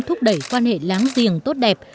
thúc đẩy quan hệ láng giềng tốt đẹp